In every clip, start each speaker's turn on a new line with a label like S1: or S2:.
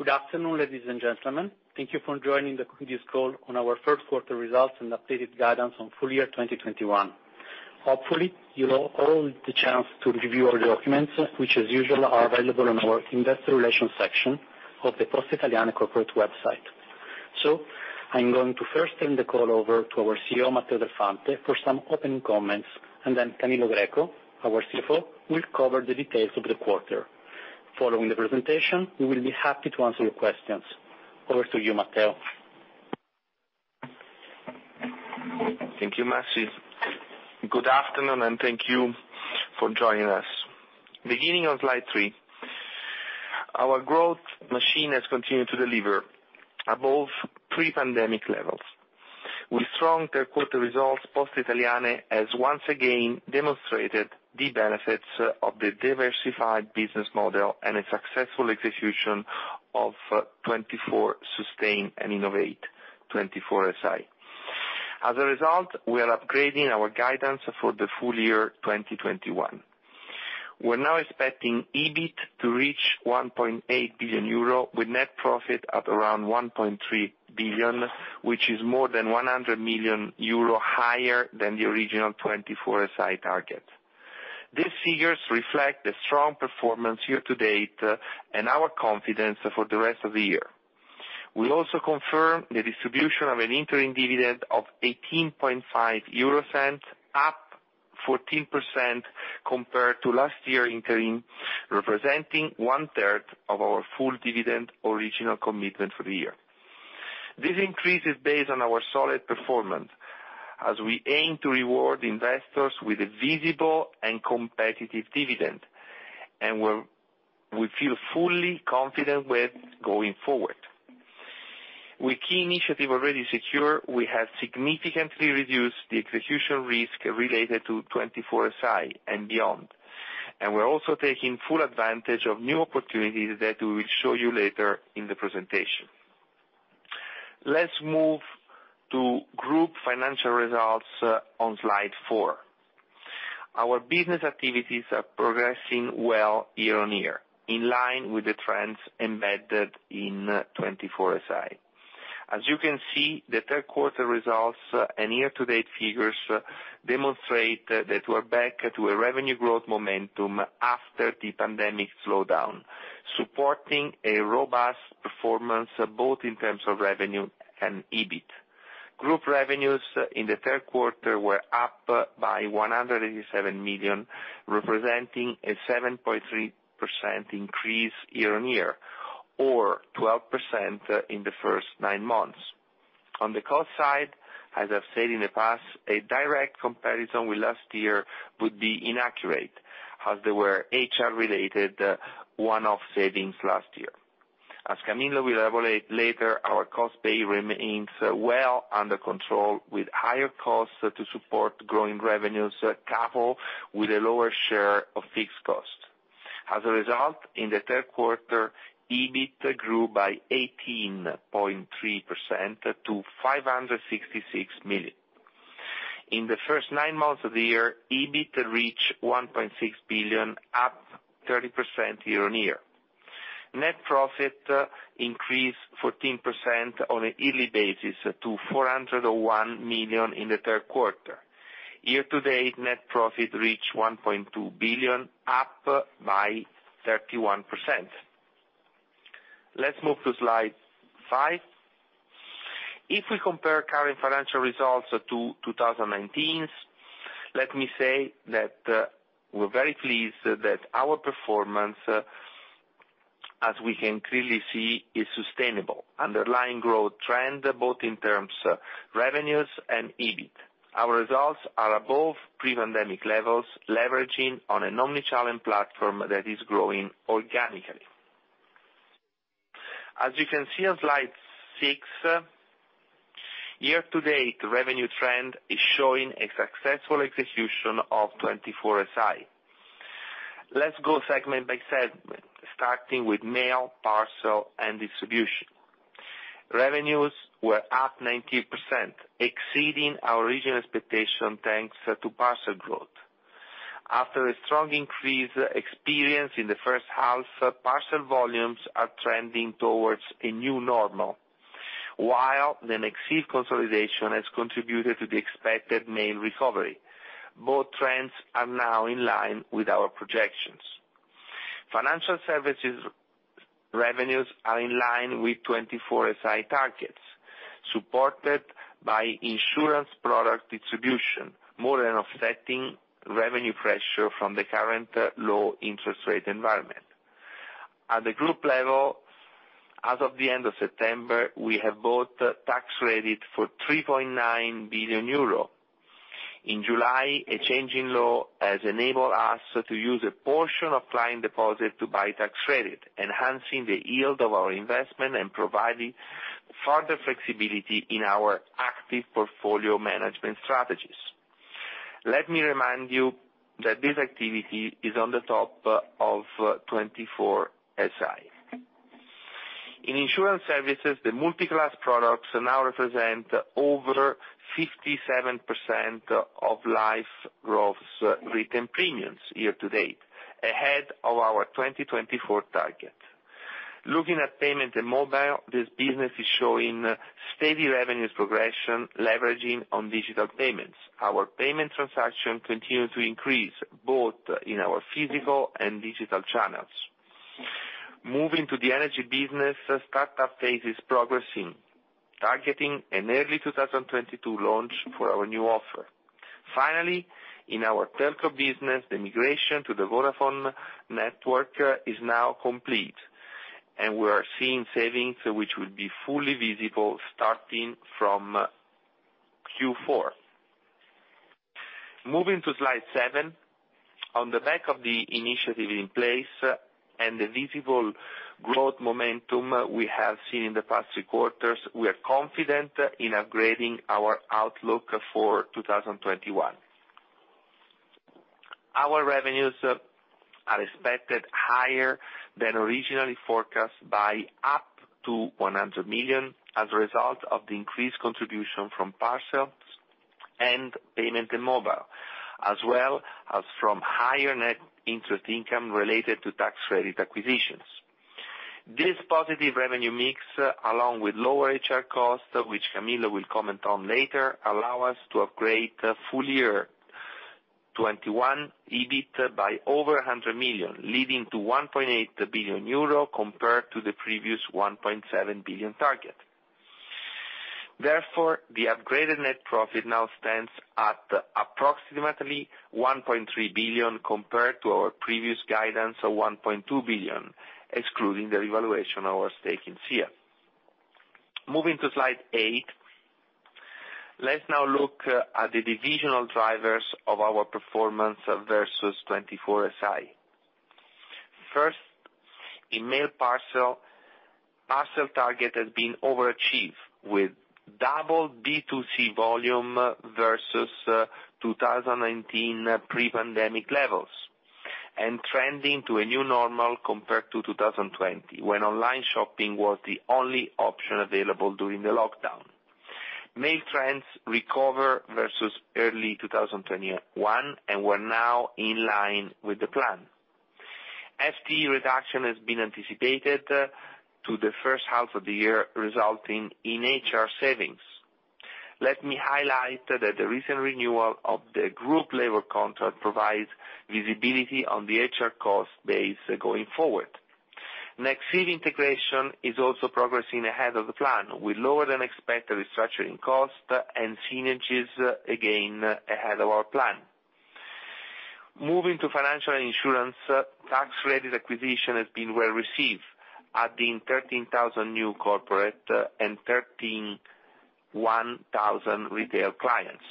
S1: Good afternoon, ladies and gentlemen. Thank you for joining the company's call on our Third Quarter Results and Updated Guidance on Full Year 2021. Hopefully, you've all had the chance to review all the documents, which as usual, are available on our Investor Relations section of the Poste Italiane corporate website. I'm going to first turn the call over to our CEO, Matteo Del Fante, for some opening comments. Camillo Greco, our CFO, will cover the details of the quarter. Following the presentation, we will be happy to answer your questions. Over to you, Matteo.
S2: Thank you, Merci. Good afternoon, and thank you for joining us. Beginning on slide three, our growth machine has continued to deliver above pre-pandemic levels. With strong third quarter results, Poste Italiane has once again demonstrated the benefits of the diversified business model and a successful execution of 2024 Sustain and Innovate, 24 SI. As a result, we are upgrading our guidance for the full year 2021. We're now expecting EBIT to reach 1.8 billion euro with net profit at around 1.3 billion, which is more than 100 million euro higher than the original 24 SI target. These figures reflect the strong performance year-to-date and our confidence for the rest of the year. We also confirm the distribution of an interim dividend of 0.185, up 14% compared to last year interim, representing 1/3 of our full dividend original commitment for the year. This increase is based on our solid performance as we aim to reward investors with a visible and competitive dividend, and we're, we feel fully confident with going forward. With key initiative already secure, we have significantly reduced the execution risk related to 24 SI and beyond. We're also taking full advantage of new opportunities that we will show you later in the presentation. Let's move to group financial results on slide four. Our business activities are progressing well year-on-year, in line with the trends embedded in 24 SI. As you can see, the third quarter results and year-to-date figures demonstrate that we're back to a revenue growth momentum after the pandemic slowdown, supporting a robust performance both in terms of revenue and EBIT. Group revenues in the third quarter were up by 187 million, representing a 7.3% increase year-on-year, or 12% in the first nine months. On the cost side, as I've said in the past, a direct comparison with last year would be inaccurate, as there were HR-related one-off savings last year. As Camillo will elaborate later, our cost base remains well under control, with higher costs to support growing revenues coupled with a lower share of fixed costs. As a result, in the third quarter, EBIT grew by 18.3% to 566 million. In the first nine months of the year, EBIT reached 1.6 billion, up 30% year-over-year. Net profit increased 14% on a yearly basis to 401 million in the third quarter. Year-to-date, net profit reached 1.2 billion, up by 31%. Let's move to slide five. If we compare current financial results to 2019's, let me say that we're very pleased that our performance, as we can clearly see, is sustainable underlying growth trend both in terms of revenues and EBIT. Our results are above pre-pandemic levels, leveraging on an omni-channel platform that is growing organically. As you can see on slide six, year-to-date revenue trend is showing a successful execution of 24 SI. Let's go segment-by-segment, starting with Mail, Parcel, and Distribution. Revenues were up 19%, exceeding our original expectation, thanks to parcel growth. After a strong increase experienced in the first half, parcel volumes are trending towards a new normal, while the Nexive consolidation has contributed to the expected mail recovery. Both trends are now in line with our projections. Financial services revenues are in line with 24 SI targets, supported by insurance product distribution, more than offsetting revenue pressure from the current low interest rate environment. At the group level, as of the end of September, we have bought tax credit for 3.9 billion euro. In July, a change in law has enabled us to use a portion of client deposit to buy tax credit, enhancing the yield of our investment and providing further flexibility in our active portfolio management strategies. Let me remind you that this activity is on top of 24 SI. In insurance services, the multi-class products now represent over 57% of life gross written premiums year-to-date, ahead of our 2024 target. Looking at payment and mobile, this business is showing steady revenues progression, leveraging on digital payments. Our payment transactions continue to increase, both in our physical and digital channels. Moving to the energy business, the startup phase is progressing, targeting an early 2022 launch for our new offer. Finally, in our telco business, the migration to the Vodafone network is now complete, and we are seeing savings which will be fully visible starting from Q4. Moving to slide seven. On the back of the initiative in place and the visible growth momentum we have seen in the past three quarters, we are confident in upgrading our outlook for 2021. Our revenues are expected higher than originally forecast by up to 100 million as a result of the increased contribution from parcels and payment and mobile, as well as from higher net interest income related to tax-related acquisitions. This positive revenue mix, along with lower HR costs, which Camillo will comment on later, allow us to upgrade full year 2021 EBIT by over 100 million, leading to 1.8 billion euro compared to the previous 1.7 billion target. Therefore, the upgraded net profit now stands at approximately 1.3 billion compared to our previous guidance of 1.2 billion, excluding the revaluation of our stake in SIA. Moving to slide eight. Let's now look at the divisional drivers of our performance versus 24 SI. First, in mail parcel target has been overachieved with double B2C volume versus 2019 pre-pandemic levels, and trending to a new normal compared to 2020, when online shopping was the only option available during the lockdown. Mail trends recover versus early 2021, and we're now in line with the plan. FTE reduction has been anticipated to the first half of the year, resulting in HR savings. Let me highlight that the recent renewal of the group labor contract provides visibility on the HR cost base going forward. Nexive integration is also progressing ahead of the plan, with lower than expected restructuring costs and synergies again ahead of our plan. Moving to financials and insurance, tax-related acquisition has been well received, adding 13,000 new corporate and 13,000 retail clients.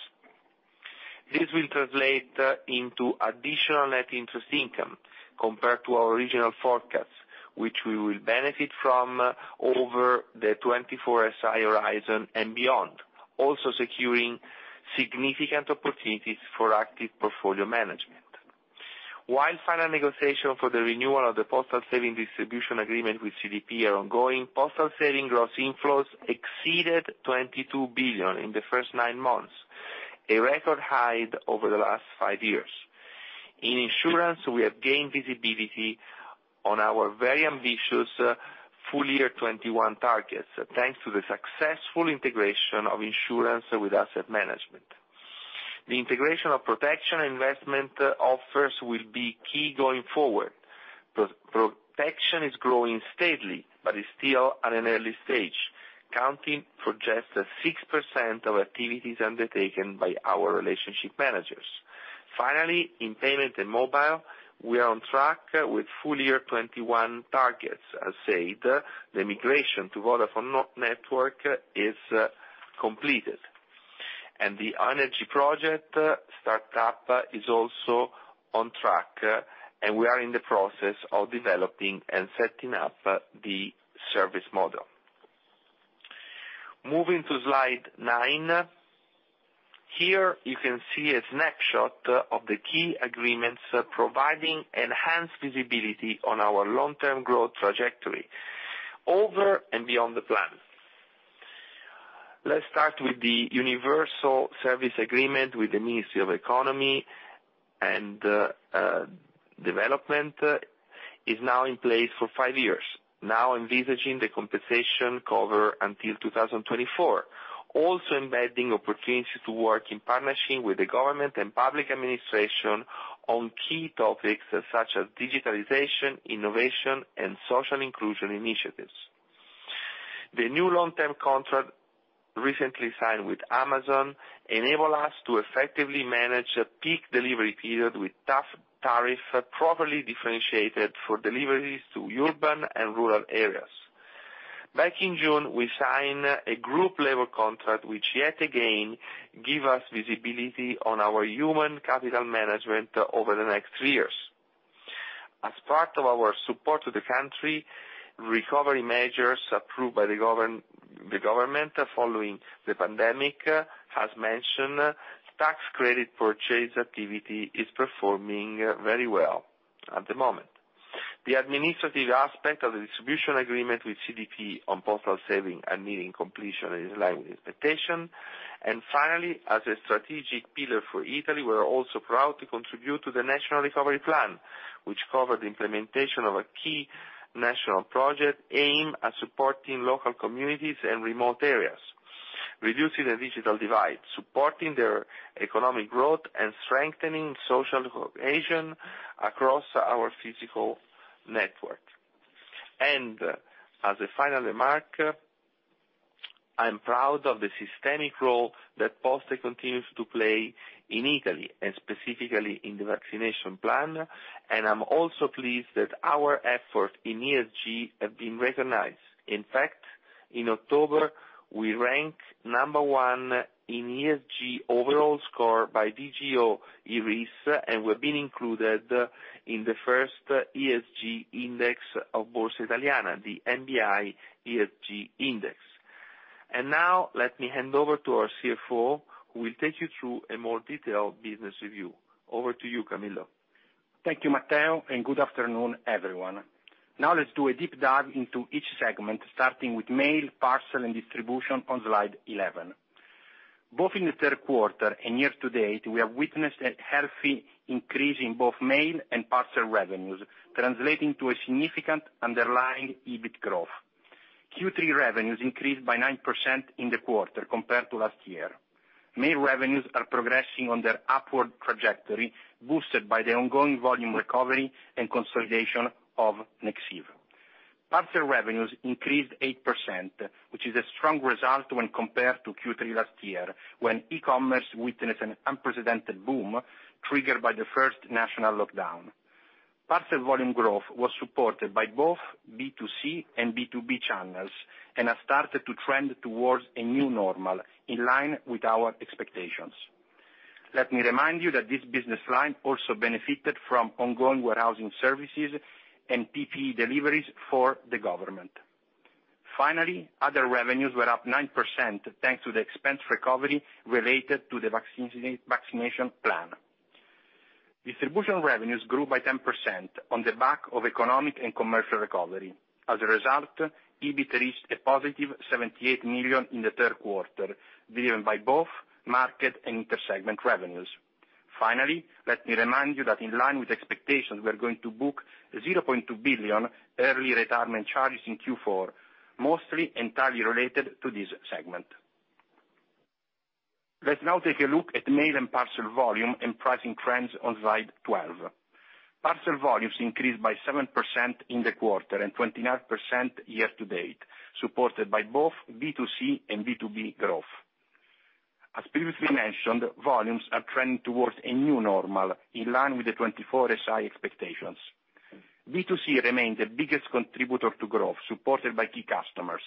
S2: This will translate into additional net interest income compared to our original forecasts, which we will benefit from over the 24 SI horizon and beyond, also securing significant opportunities for active portfolio management. While final negotiation for the renewal of the postal savings distribution agreement with CDP are ongoing, postal savings gross inflows exceeded 22 billion in the first nine months, a record high over the last five years. In insurance, we have gained visibility on our very ambitious full-year 2021 targets, thanks to the successful integration of insurance with asset management. The integration of protection and investment offers will be key going forward. Pro-protection is growing steadily, but is still at an early stage, accounting for just 6% of activities undertaken by our relationship managers. Finally, in payment and mobile, we are on track with full-year 2021 targets. As said, the migration to Vodafone network is completed, and the energy project startup is also on track, and we are in the process of developing and setting up the service model. Moving to slide nine. Here you can see a snapshot of the key agreements providing enhanced visibility on our long-term growth trajectory over and beyond the plan. Let's start with the universal service agreement with the Ministry of Economic Development is now in place for five years, now envisaging the compensation cover until 2024, also embedding opportunity to work in partnership with the government and public administration on key topics such as digitalization, innovation, and social inclusion initiatives. The new long-term contract recently signed with Amazon enable us to effectively manage a peak delivery period with tough tariff properly differentiated for deliveries to urban and rural areas. Back in June, we signed a group-level contract which yet again give us visibility on our human capital management over the next three years. As part of our support to the country, recovery measures approved by the government, following the pandemic, has mentioned tax credit purchase activity is performing very well at the moment. The administrative aspect of the distribution agreement with CDP on postal savings and needing completion is in line with expectation. Finally, as a strategic pillar for Italy, we're also proud to contribute to the National Recovery Plan, which cover the implementation of a key national project aimed at supporting local communities and remote areas, reducing the digital divide, supporting their economic growth, and strengthening social cohesion across our physical network. As a final remark, I'm proud of the systemic role that Poste continues to play in Italy, and specifically in the vaccination plan. I'm also pleased that our effort in ESG have been recognized. In fact, in October, we rank number one in ESG overall score by Vigeo-Eiris, and we've been included in the first ESG index of Borsa Italiana, the MIB ESG index. Now let me hand over to our CFO, who will take you through a more detailed business review. Over to you, Camillo.
S3: Thank you, Matteo, and good afternoon, everyone. Now let's do a deep dive into each segment, starting with Mail, Parcel and Distribution on slide 11. Both in the third quarter and year-to-date, we have witnessed a healthy increase in both mail and parcel revenues, translating to a significant underlying EBIT growth. Q3 revenues increased by 9% in the quarter compared to last year. Mail revenues are progressing on their upward trajectory, boosted by the ongoing volume recovery and consolidation of Nexive. Parcel revenues increased 8%, which is a strong result when compared to Q3 last year, when e-commerce witnessed an unprecedented boom triggered by the first national lockdown. Parcel volume growth was supported by both B2C and B2B channels, and has started to trend towards a new normal in line with our expectations. Let me remind you that this business line also benefited from ongoing warehousing services and PPE deliveries for the government. Other revenues were up 9%, thanks to the expense recovery related to the vaccination plan. Distribution revenues grew by 10% on the back of economic and commercial recovery. As a result, EBIT reached a positive 78 million in the third quarter, driven by both market and intersegment revenues. Let me remind you that in line with expectations, we are going to book 0.2 billion early retirement charges in Q4, mostly entirely related to this segment. Let's now take a look at mail and parcel volume and pricing trends on slide 12. Parcel volumes increased by 7% in the quarter and 29% year-to-date, supported by both B2C and B2B growth. As previously mentioned, volumes are trending towards a new normal in line with the 24 SI expectations. B2C remains the biggest contributor to growth, supported by key customers.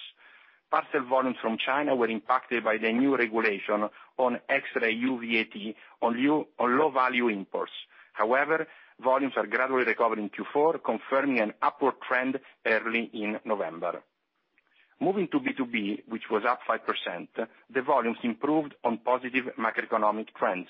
S3: Parcel volumes from China were impacted by the new regulation on EU VAT on low-value imports. However, volumes are gradually recovering in Q4, confirming an upward trend early in November. Moving to B2B, which was up 5%, the volumes improved on positive macroeconomic trends.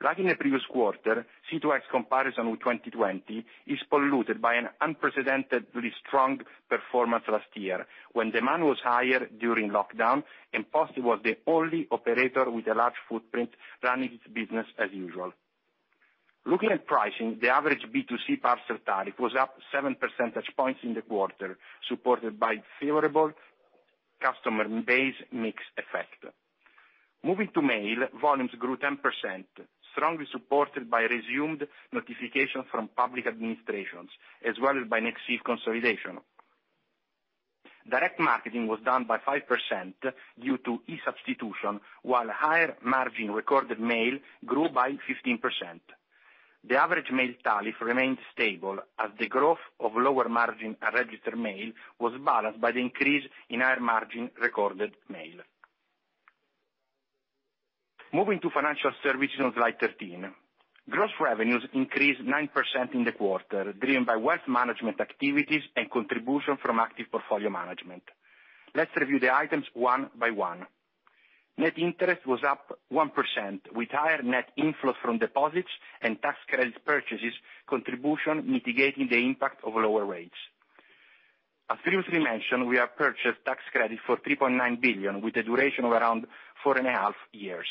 S3: Like in the previous quarter, C2X comparison with 2020 is polluted by an unprecedentedly strong performance last year, when demand was higher during lockdown, and Poste was the only operator with a large footprint running its business as usual. Looking at pricing, the average B2C parcel tariff was up seven percentage points in the quarter, supported by favorable customer base mix effect. Moving to mail, volumes grew 10%, strongly supported by resumed notification from public administrations as well as by Nexive consolidation. Direct marketing was down by 5% due to e-substitution, while higher margin recorded mail grew by 15%. The average mail tariff remained stable as the growth of lower margin unregistered mail was balanced by the increase in higher margin recorded mail. Moving to financial services on slide 13. Gross revenues increased 9% in the quarter, driven by wealth management activities and contribution from active portfolio management. Let's review the items one by one. Net interest was up 1%, with higher net inflows from deposits and tax credit purchases contribution mitigating the impact of lower rates. As previously mentioned, we have purchased tax credit for 3.9 billion, with a duration of around 4.5 years.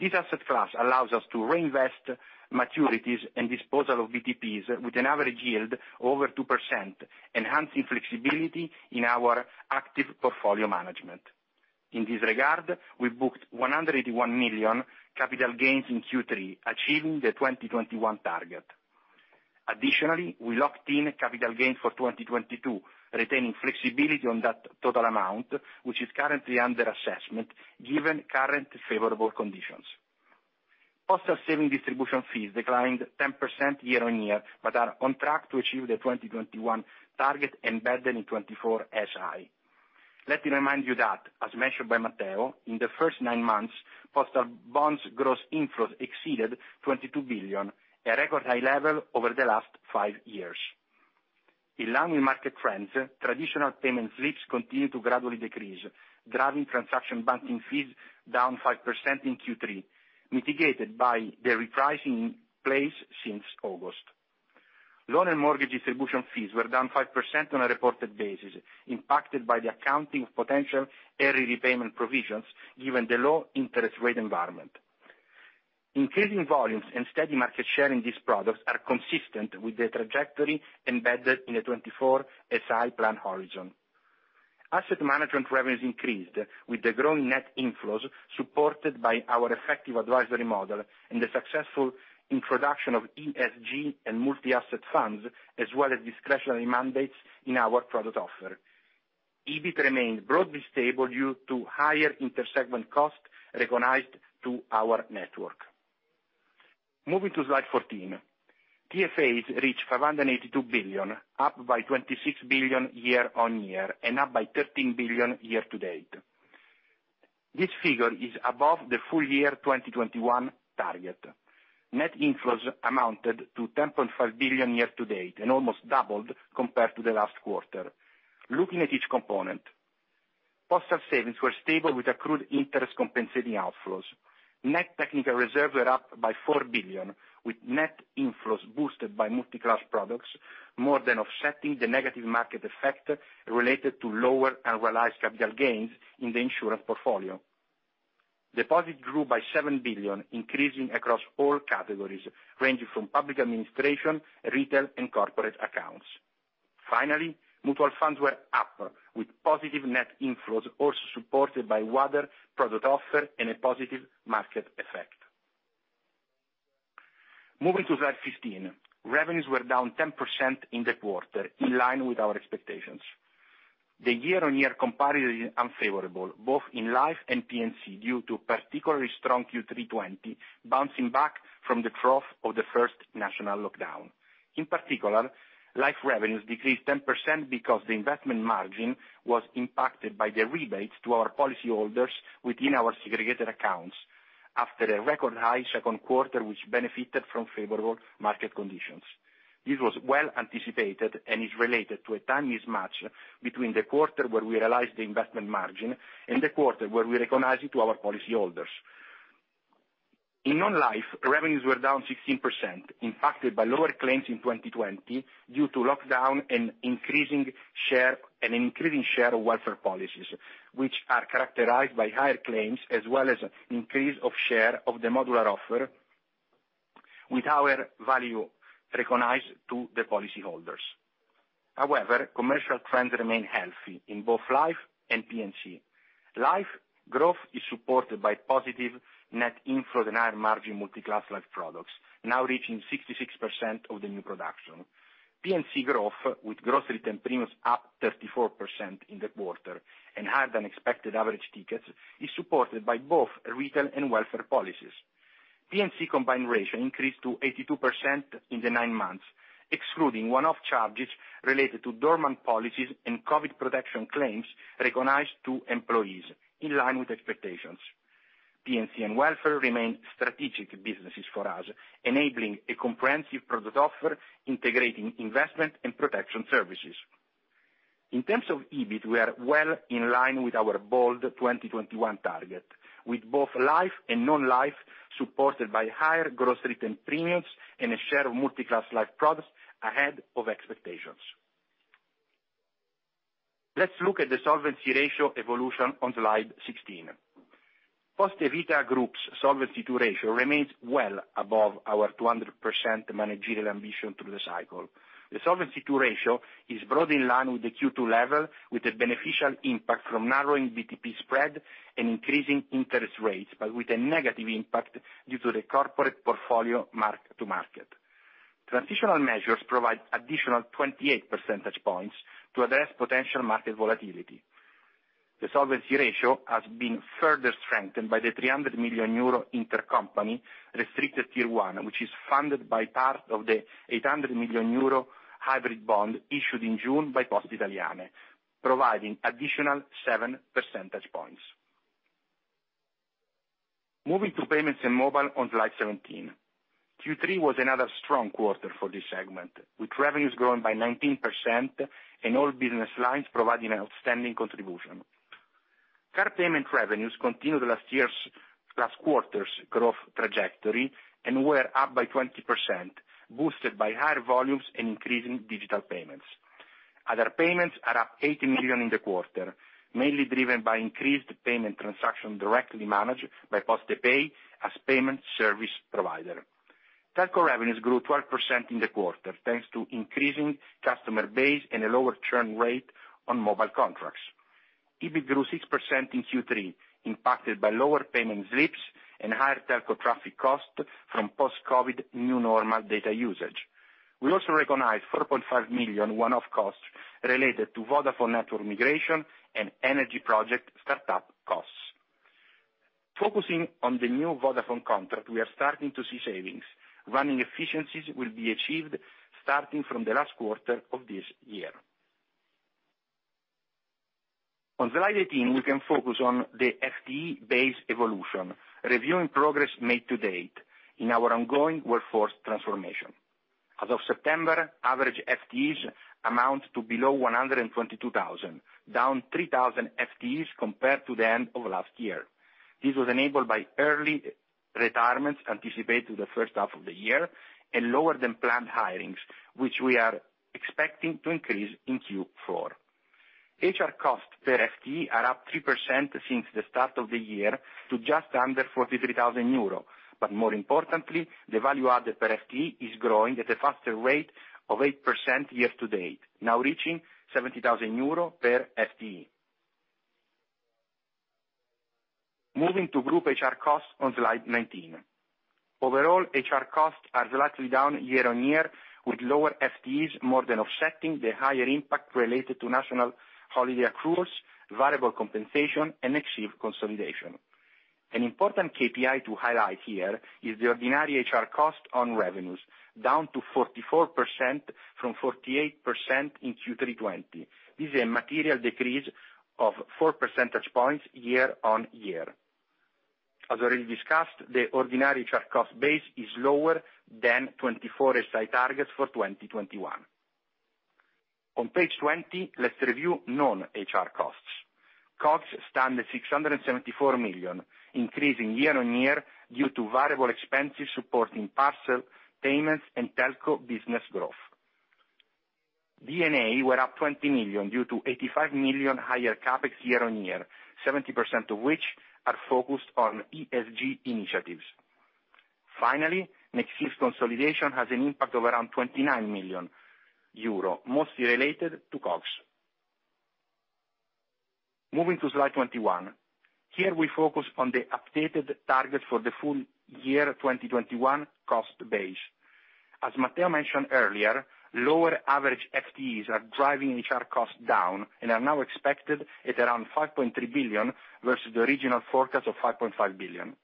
S3: This asset class allows us to reinvest maturities and disposal of BTPs with an average yield over 2%, enhancing flexibility in our active portfolio management. In this regard, we booked 181 million capital gains in Q3, achieving the 2021 target. Additionally, we locked in capital gains for 2022, retaining flexibility on that total amount, which is currently under assessment given current favorable conditions. Postal saving distribution fees declined 10% year-on-year, but are on track to achieve the 2021 target embedded in '24 SI. Let me remind you that, as mentioned by Matteo, in the first nine months, postal bonds gross inflows exceeded 22 billion, a record high level over the last five years. In line with market trends, traditional payment slips continue to gradually decrease, driving transaction banking fees down 5% in Q3, mitigated by the repricing in place since August. Loan and mortgage distribution fees were down 5% on a reported basis, impacted by the accounting of potential early repayment provisions given the low interest rate environment. Increasing volumes and steady market share in these products are consistent with the trajectory embedded in the 24 SI plan horizon. Asset management revenues increased with the growing net inflows, supported by our effective advisory model and the successful introduction of ESG and multi-asset funds, as well as discretionary mandates in our product offer. EBIT remained broadly stable due to higher inter-segment costs recognized to our network. Moving to slide 14. TFAs reached 582 billion, up by 26 billion year-on-year and up by 13 billion year-to-date. This figure is above the full-year 2021 target. Net inflows amounted to 10.5 billion year-to-date, and almost doubled compared to the last quarter. Looking at each component, postal savings were stable with accrued interest compensating outflows. Net technical reserves were up by 4 billion, with net inflows boosted by multi-class products, more than offsetting the negative market effect related to lower unrealized capital gains in the insurance portfolio. Deposit grew by 7 billion, increasing across all categories, ranging from public administration, retail, and corporate accounts. Finally, mutual funds were up with positive net inflows, also supported by wider product offer and a positive market effect. Moving to slide 15. Revenues were down 10% in the quarter, in line with our expectations. The year-on-year comparison is unfavorable, both in Life and P&C due to particularly strong Q3 2020, bouncing back from the trough of the first national lockdown. In particular, Life revenues decreased 10% because the investment margin was impacted by the rebates to our policyholders within our segregated accounts after a record high second quarter, which benefited from favorable market conditions. This was well anticipated and is related to a time mismatch between the quarter where we realized the investment margin and the quarter where we recognize it to our policyholders. In non-Life, revenues were down 16%, impacted by lower claims in 2020 due to lockdown and increasing share of welfare policies, which are characterized by higher claims as well as increasing share of the modular offer with our value recognized to the policy holders. However, commercial trends remain healthy in both Life and P&C. Life growth is supported by positive net inflows and higher margin multi-class Life products, now reaching 66% of the new production. P&C growth with gross written premiums up 34% in the quarter and higher than expected average tickets is supported by both retail and welfare policies. P&C combined ratio increased to 82% in the nine months, excluding one-off charges related to dormant policies and COVID protection claims recognized to employees, in line with expectations. P&C and welfare remain strategic businesses for us, enabling a comprehensive product offer integrating investment and protection services. In terms of EBIT, we are well in line with our bold 2021 target, with both Life and non-Life supported by higher gross written premiums and a share of multi-class Life products ahead of expectations. Let's look at the solvency ratio evolution on slide 16. Poste Vita Group's Solvency II ratio remains well above our 200% managerial ambition through the cycle. The Solvency II ratio is broadly in line with the Q2 level, with a beneficial impact from narrowing BTP spread and increasing interest rates, but with a negative impact due to the corporate portfolio mark-to-market. Transitional measures provide additional 28 percentage points to address potential market volatility. The solvency ratio has been further strengthened by the 300 million euro intercompany restricted Tier 1, which is funded by part of the 800 million euro hybrid bond issued in June by Poste Italiane, providing additional 7 percentage points. Moving to payments and mobile on slide 17. Q3 was another strong quarter for this segment, with revenues growing by 19% and all business lines providing an outstanding contribution. Card payment revenues continued last year's,-- last quarter's growth trajectory and were up by 20%, boosted by higher volumes and increasing digital payments. Other payments are up 80 million in the quarter, mainly driven by increased payment transaction directly managed by PostePay as payment service provider. Telco revenues grew 12% in the quarter, thanks to increasing customer base and a lower churn rate on mobile contracts. EBIT grew 6% in Q3, impacted by lower payment slips and higher telco traffic costs from post-COVID new normal data usage. We also recognized 4.5 million one-off costs related to Vodafone network migration and energy project startup costs. Focusing on the new Vodafone contract, we are starting to see savings. Running efficiencies will be achieved starting from the last quarter of this year. On slide 18, we can focus on the FTE base evolution, reviewing progress made to date in our ongoing workforce transformation. As of September, average FTEs amount to below 122,000, down 3,000 FTEs compared to the end of last year. This was enabled by early retirements anticipated in the first half of the year and lower than planned hirings, which we are expecting to increase in Q4. HR costs per FTE are up 3% since the start of the year to just under 43,000 euros. More importantly, the value add per FTE is growing at a faster rate of 8% year-to-date, now reaching 70,000 euro per FTE. Moving to group HR costs on slide 19. Overall, HR costs are slightly down year-on-year with lower FTEs, more than offsetting the higher impact related to national holiday accruals, variable compensation, and Nexive consolidation. An important KPI to highlight here is the ordinary HR cost on revenues, down to 44% from 48% in Q3 2020. This is a material decrease of 4 percentage points year-over-year. As already discussed, the ordinary HR cost base is lower than 24 SI targets for 2021. On page 20, let's review non-HR costs. COGS stand at 674 million, increasing year-over-year due to variable expenses supporting parcel payments and telco business growth. D&A were up 20 million due to 85 million higher CapEx year-over-year, 70% of which are focused on ESG initiatives. Finally, Nexive consolidation has an impact of around 29 million euro, mostly related to COGS. Moving to slide 21. Here, we focus on the updated target for the full year 2021 cost base. As Matteo mentioned earlier, lower average FTEs are driving HR costs down and are now expected at around 5.3 billion versus the original forecast of 5.5 billion.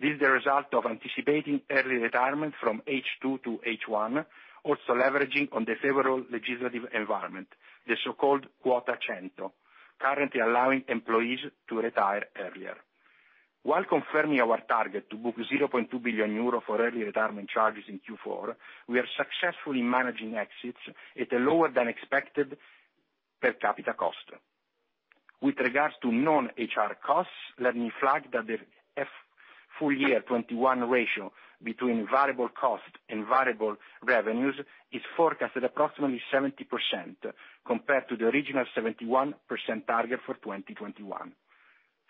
S3: This is the result of anticipating early retirement from H2 to H1, also leveraging on the favorable legislative environment, the so-called Quota 100, currently allowing employees to retire earlier. While confirming our target to book 0.2 billion euro for early retirement charges in Q4, we are successfully managing exits at a lower than expected per capita cost. With regards to non-HR costs, let me flag that the full year 2021 ratio between variable cost and variable revenues is forecasted approximately 70% compared to the original 71% target for 2021.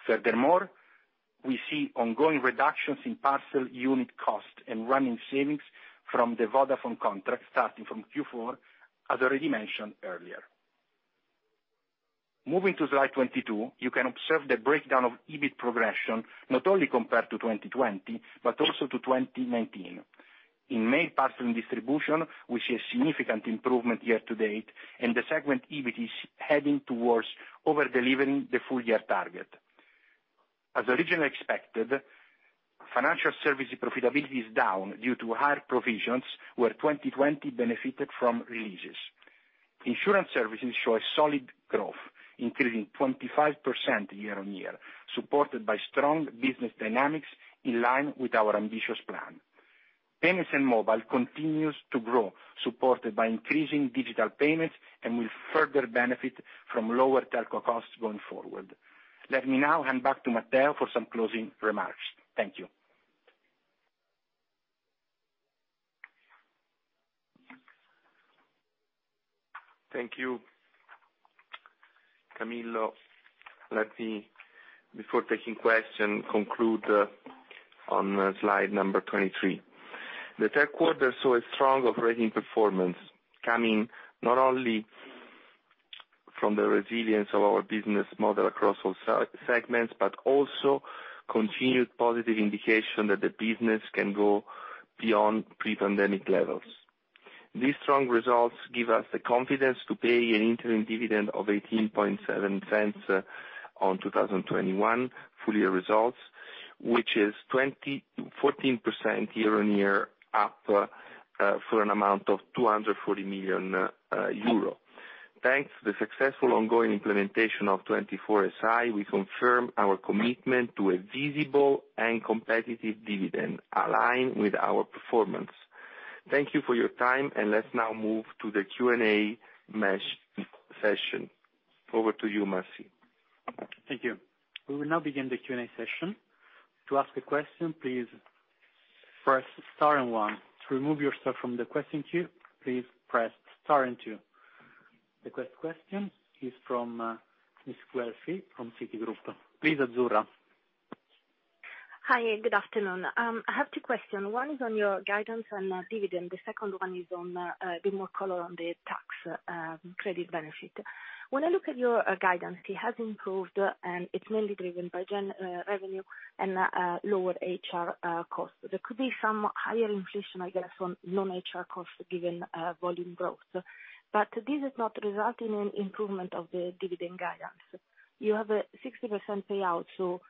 S3: Furthermore, we see ongoing reductions in parcel unit cost and running savings from the Vodafone contract starting from Q4, as already mentioned earlier. Moving to slide 22, you can observe the breakdown of EBIT progression, not only compared to 2020, but also to 2019. In Mail, Parcel, and Distribution, we see a significant improvement year-to-date, and the segment EBIT is heading towards over-delivering the full year target. As originally expected, financial services profitability is down due to higher provisions, where 2020 benefited from releases. Insurance services show a solid growth, increasing 25% year-over-year, supported by strong business dynamics in line with our ambitious plan. Payments and Mobile continues to grow, supported by increasing digital payments and will further benefit from lower telco costs going forward. Let me now hand back to Matteo for some closing remarks. Thank you.
S2: Thank you, Camillo. Let me, before taking questions, conclude on slide number 23. The third quarter saw a strong operating performance, coming not only from the resilience of our business model across all segments, but also continued positive indication that the business can go beyond pre-pandemic levels. These strong results give us the confidence to pay an interim dividend of 0.187 on 2021 full-year results, which is 14% year-on-year up, for an amount of 240 million euro. Thanks to the successful ongoing implementation of 24 SI, we confirm our commitment to a visible and competitive dividend aligned with our performance. Thank you for your time, and let's now move to the Q&A session. Over to you, Merci.
S4: Thank you. We will now begin the Q&A session. To ask a question, please press star and one. To remove yourself from the question queue, please press star and two. The first question is from Ms. Guelfi from Citigroup. Please, Azzurra.
S5: Hi, good afternoon. I have two questions. One is on your guidance on dividend, the second one is on a bit more color on the tax credit benefit. When I look at your guidance, it has improved, and it's mainly driven by general revenue and lower HR costs. There could be some higher inflation, I guess, on non-HR costs given volume growth. This does not result in an improvement of the dividend guidance. You have a 60% payout, so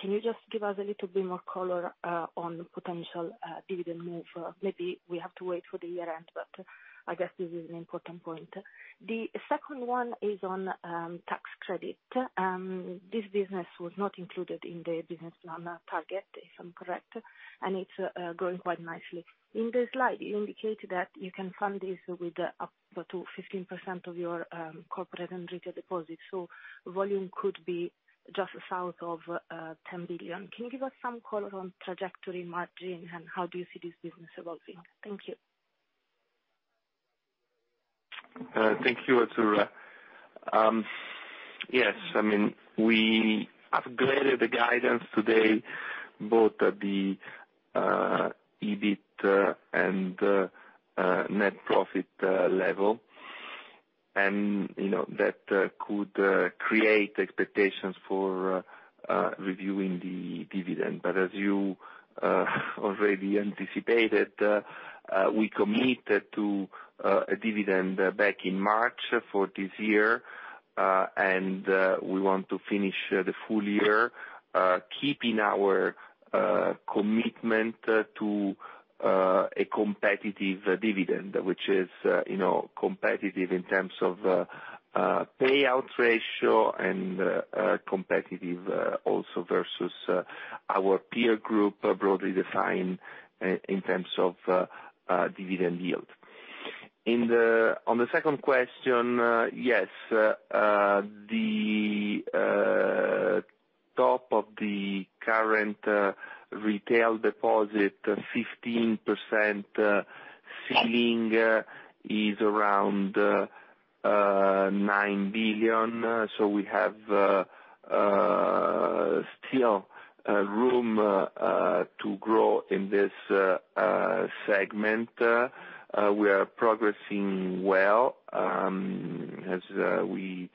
S5: can you just give us a little bit more color on potential dividend move? Maybe we have to wait for the year-end, but I guess this is an important point. The second one is on tax credit. This business was not included in the business plan target, if I'm correct, and it's growing quite nicely. In the slide, you indicated that you can fund this with up to 15% of your corporate and retail deposits, so volume could be just south of 10 billion. Can you give us some color on trajectory margin, and how do you see this business evolving? Thank you.
S2: Thank you, Azzurra. Yes, I mean, we have guided the guidance today, both at the EBIT and net profit level. You know, that could create expectations for reviewing the dividend. But as you already anticipated, we committed to a dividend back in March for this year. We want to finish the full year, keeping our commitment to a competitive dividend, which is, you know, competitive in terms of payout ratio and competitive also versus our peer group broadly defined in terms of dividend yield. On the second question, yes, the top of the current retail deposit 15% ceiling is around 9 billion. We have still room to grow in this segment. We are progressing well, as we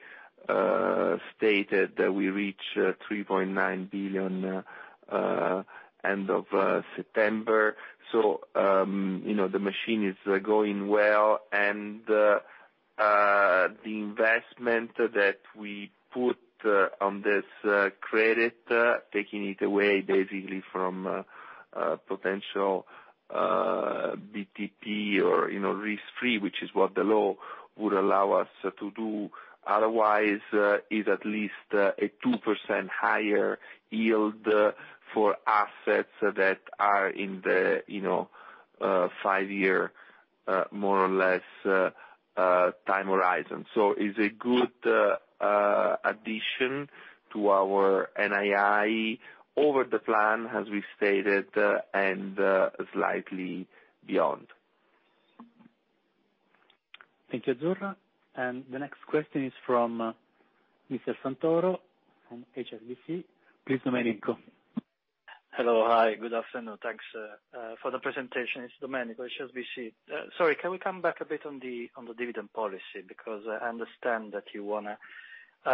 S2: stated that we reached 3.9 billion end of September. You know, the machine is going well, and the investment that we put on this credit, taking it away basically from potential BTP or, you know, risk-free, which is what the law would allow us to do otherwise, is at least a 2% higher yield for assets that are in the, you know, five-year more or less time horizon. It's a good addition to our NII over the plan, as we stated, and slightly beyond.
S4: Thank you, Azzurra. The next question is from Mr. Santoro from HSBC. Please, Domenico.
S6: Hello. Hi. Good afternoon. Thanks for the presentation. It's Domenico, HSBC. Sorry, can we come back a bit on the dividend policy? Because I understand that you wanna play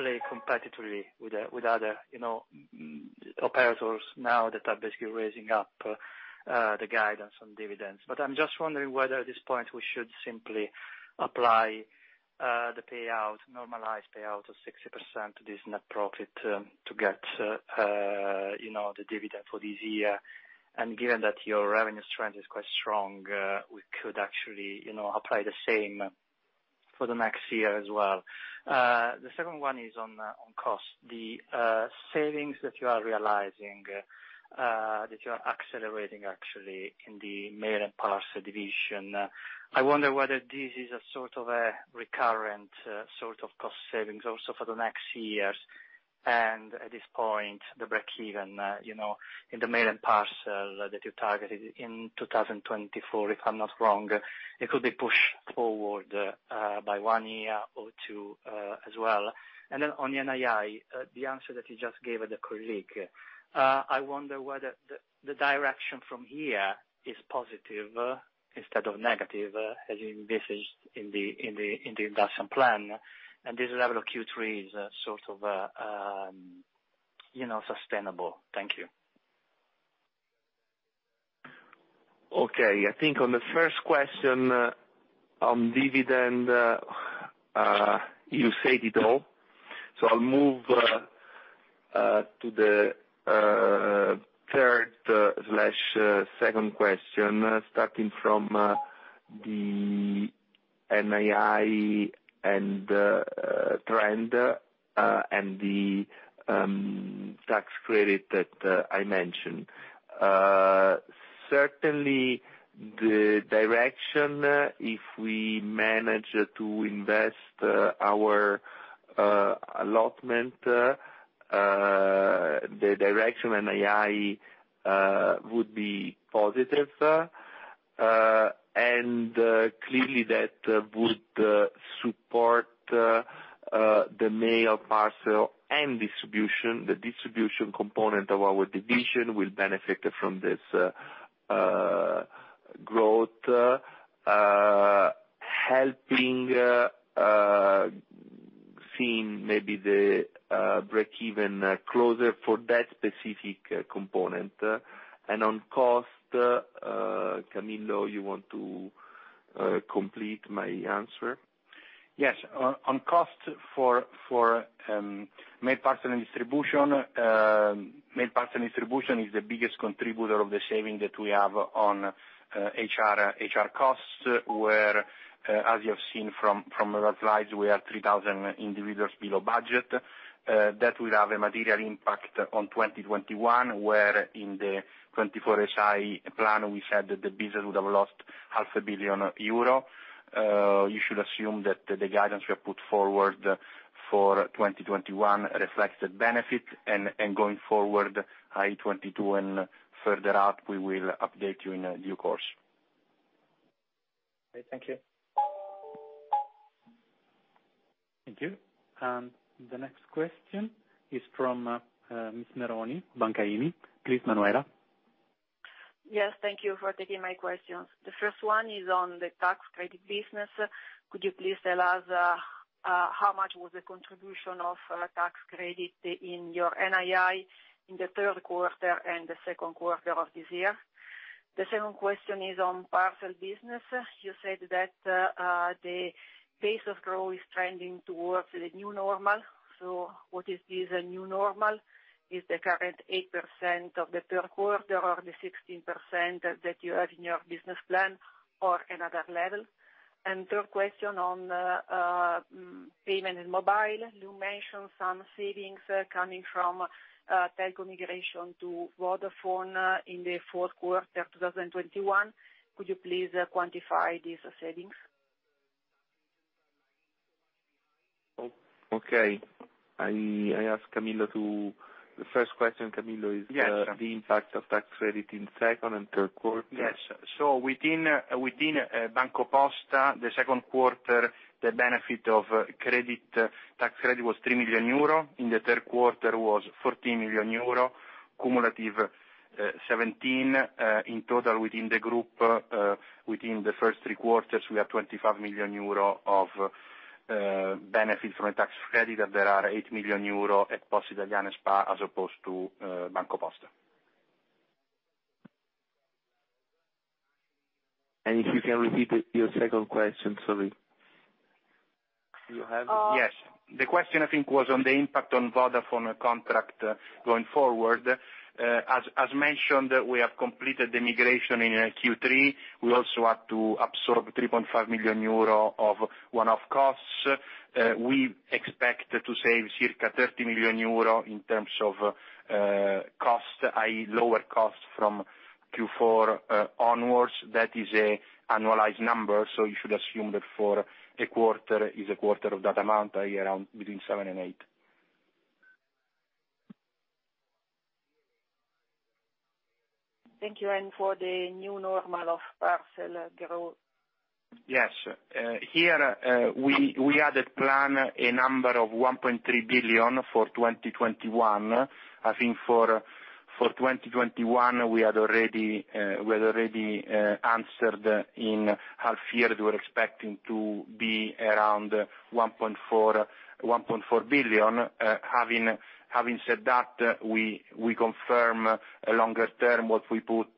S6: competitively with other operators now that are basically raising up the guidance on dividends. But I'm just wondering whether at this point we should simply apply the normalized payout of 60% to this net profit to get the dividend for this year. Given that your revenue trend is quite strong, we could actually apply the same for the next year as well. The second one is on cost. The savings that you are accelerating actually in the mail and parcel division, I wonder whether this is a sort of recurrent sort of cost savings also for the next years. At this point, the break-even, you know, in the mail and parcel that you targeted in 2024, if I'm not wrong, it could be pushed forward by one year or two, as well. Then on NII, the answer that you just gave the colleague, I wonder whether the direction from here is positive instead of negative, as envisaged in the investment plan, and this level of Q3 is sort of, you know, sustainable. Thank you.
S2: Okay. I think on the first question, on dividend, you said it all. I'll move to the third slash second question, starting from the NII, and, trend, and the tax credit that I mentioned. Certainly the direction, if we manage to invest our allotment, the direction NII would be positive. Clearly, that would support the Mail, Parcel, and Distribution. The distribution component of our division will benefit from this growth, helping seeing maybe the break-even closer for that specific component. On cost, Camillo, you want to complete my answer?
S3: Yes. On cost for Mail, Parcel and Distribution is the biggest contributor of the saving that we have on HR costs, where as you have seen from the slides, we are 3,000 individuals below budget. That will have a material impact on 2021, where in the 24 SI plan we said that the business would have lost half a billion EUR. You should assume that the guidance we have put forward. For 2021 reflects the benefit and going forward, i.e. 2022 and further out, we will update you in due course.
S6: Okay, thank you.
S4: Thank you. The next question is from Miss Meroni, Banca IMI. Please, Manuela.
S7: Yes, thank you for taking my questions. The first one is on the tax credit business. Could you please tell us how much was the contribution of tax credit in your NII in the third quarter and the second quarter of this year? The second question is on parcel business. You said that the pace of growth is trending towards the new normal. What is this new normal? Is the current 8% of the third quarter or the 16% that you have in your business plan, or another level? Third question on PosteMobile, you mentioned some savings coming from telco migration to Vodafone in the fourth quarter of 2021. Could you please quantify these savings?
S2: Okay. I ask Camillo to. The first question, Camillo, is--
S3: Yes.
S2: The impact of tax credit in second and third quarter.
S3: Within BancoPosta, in the second quarter, the benefit from tax credit was 3 million euro. In the third quarter, the benefit from tax credit was 14 million euro, cumulative 17 million. In total within the group, within the first three quarters, we have 25 million euro of benefit from a tax credit, and there are 8 million euro at Poste Italiane S.p.A. as opposed to BancoPosta.
S2: If you can repeat your second question. Sorry.
S3: Yes. The question, I think, was on the impact on Vodafone contract going forward. As mentioned, we have completed the migration in Q3. We also had to absorb 3.5 million euro of one-off costs. We expect to save circa 30 million euro in terms of cost, i.e., lower cost from Q4 onwards. That is a annualized number, so you should assume that for a quarter is a quarter of that amount, i.e., around 7-8 million.
S7: Thank you. For the new normal of parcel growth?
S3: Yes. Here, we had planned a number of 1.3 billion for 2021. I think for 2021, we had already answered in half year, we're expecting to be around 1.4 billion. Having said that, we confirm longer term what we put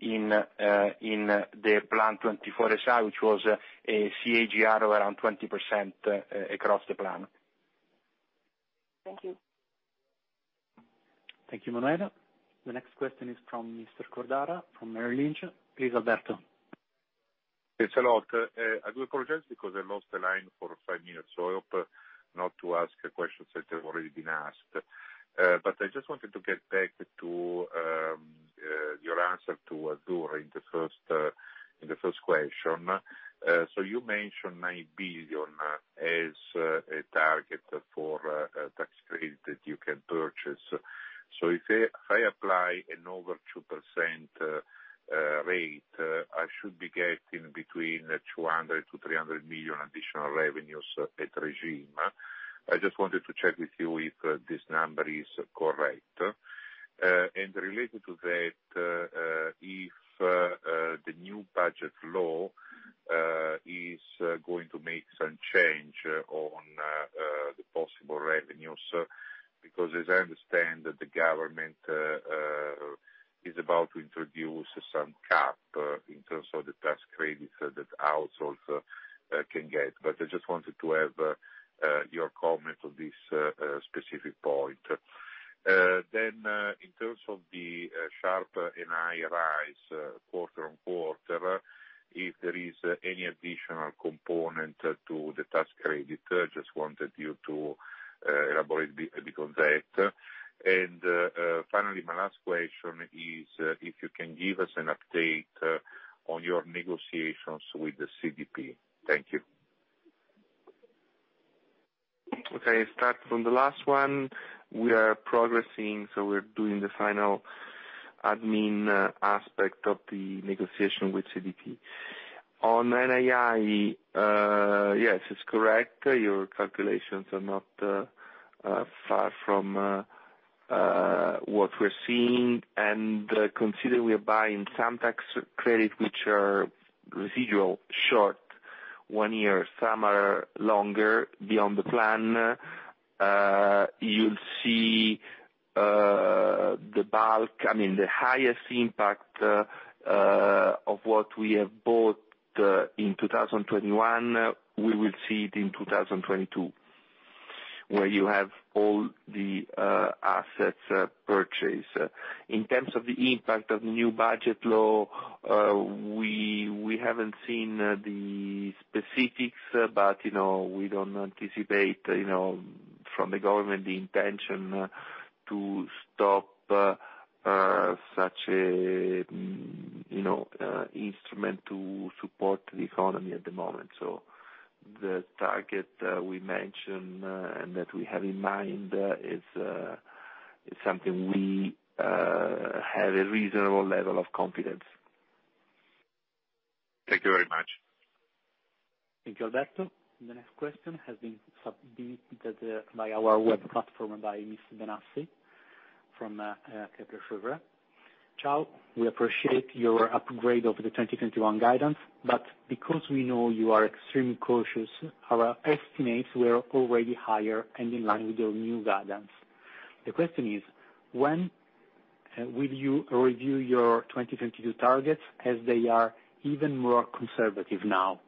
S3: in the plan 24 SI, which was a CAGR of around 20% across the plan.
S7: Thank you.
S4: Thank you, Manuela. The next question is from Mr. Cordara from Merrill Lynch. Please, Alberto.
S8: Thanks a lot. I do apologize because I lost the line for five minutes, so I hope not to ask questions that have already been asked. I just wanted to get back to your answer to Azzurra in the first question. You mentioned 9 billion as a target for tax credit that you can purchase. If I apply an over 2% rate, I should be getting between 200 million-300 million additional revenues at regime. I just wanted to check with you if this number is correct. Related to that, if the new budget law is going to make some change on the possible revenues. Because as I understand, the government is about to introduce some cap in terms of the tax credits that households can get. I just wanted to have your comment on this specific point. In terms of the sharp NII rise quarter-on-quarter, if there is any additional component to the tax credit, I just wanted you to elaborate a bit on that. Finally, my last question is if you can give us an update on your negotiations with the CDP. Thank you.
S2: Okay. Start from the last one. We are progressing, so we're doing the final admin aspect of the negotiation with CDP. On NII, yes, it's correct. Your calculations are not far from what we're seeing. Considering we are buying some tax credits, which are residual short one year, some are longer beyond the plan, you'll see the bulk, I mean, the highest impact, of what we have bought in 2021, we will see it in 2022, where you have all the assets purchased. In terms of the impact of new budget law, we haven't seen the specifics, but, you know, we don't anticipate, you know. From the government, the intention to stop such an instrument to support the economy at the moment. The target we mentioned and that we have in mind is something we have a reasonable level of confidence.
S8: Thank you very much.
S4: Thank you, Alberto. The next question has been submitted by our web platform by Miss Benassi from Kepler Cheuvreux. Ciao, we appreciate your upgrade of the 2021 guidance, but because we know you are extremely cautious, our estimates were already higher and in line with your new guidance. The question is, when will you review your 2022 targets as they are even more conservative now?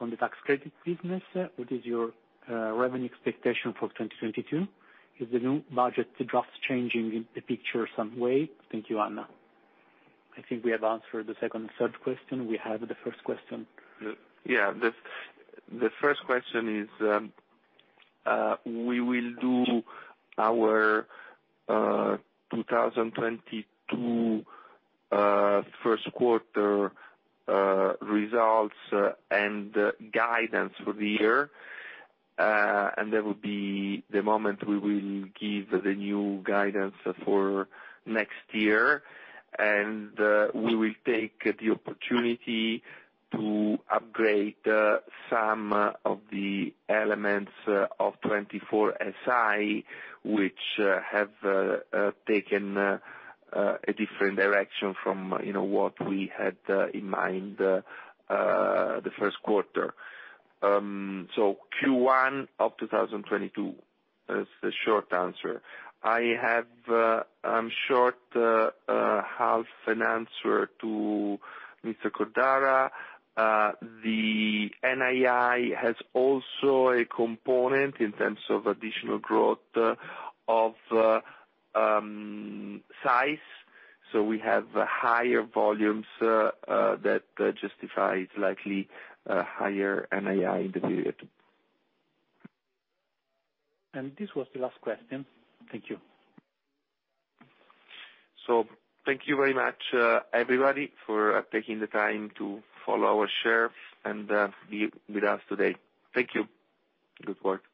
S4: On the tax credit business, what is your revenue expectation for 2022? Is the new budget drafts changing the picture some way? Thank you, Anna. I think we have answered the second and third question. We have the first question.
S2: Yeah. The first question is, we will do our 2022 first quarter results and guidance for the year. That would be the moment we will give the new guidance for next year. We will take the opportunity to upgrade some of the elements of 24 SI, which have taken a different direction from, you know, what we had in mind the first quarter. Q1 of 2022 is the short answer. I'm short half an answer to Mr. Cordara. The NII has also a component in terms of additional growth of size. We have higher volumes that justifies likely a higher NII in the period.
S4: This was the last question. Thank you.
S2: Thank you very much, everybody, for taking the time to follow our share and be with us today. Thank you. Good work.